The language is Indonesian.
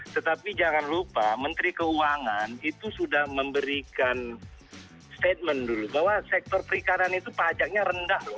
tetapi jangan lupa menteri keuangan itu sudah memberikan statement dulu bahwa sektor perikanan itu pajaknya rendah loh